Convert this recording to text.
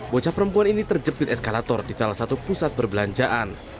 bocah perempuan ini terjepit eskalator di salah satu pusat perbelanjaan